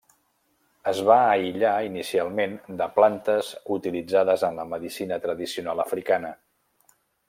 Es va aïllar inicialment de plantes utilitzades en la medicina tradicional africana.